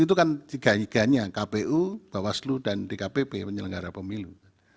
itu kan tiga tiganya kpu bawaslu dan dkpp penyelenggara pemilu